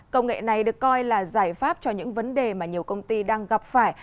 công nghệ này được coi là giải pháp cho những vấn đề mà nhiều công ty đang gặp phải